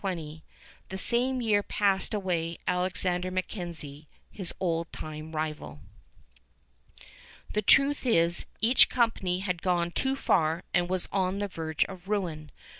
The same year passed away Alexander MacKenzie, his old time rival. The truth is, each company had gone too far and was on the verge of ruin.